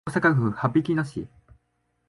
大阪府羽曳野市